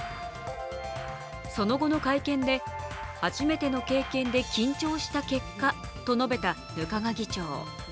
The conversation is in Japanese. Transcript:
その後の会見で、「初めての経験で緊張した結果」と述べた額賀議長。